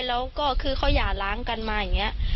เพราะไม่เคยถามลูกสาวนะว่าไปทำธุรกิจแบบไหนอะไรยังไง